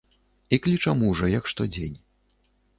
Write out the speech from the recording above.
І кліча мужа, як штодзень.